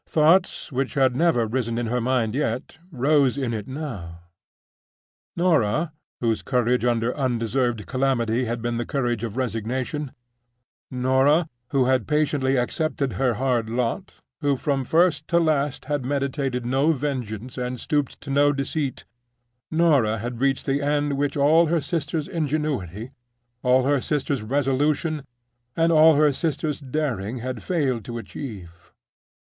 Thoughts which had never risen in her mind yet rose in it now. Norah, whose courage under undeserved calamity had been the courage of resignation—Norah, who had patiently accepted her hard lot; who from first to last had meditated no vengeance and stooped to no deceit—Norah had reached the end which all her sister's ingenuity, all her sister's resolution, and all her sister's daring had failed to achieve.